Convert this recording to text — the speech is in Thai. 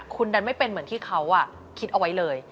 คุณดันไม่เป็นเหมือนที่เขาคิดเอาไว้เลย